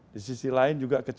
di sisi lain juga kecekan juga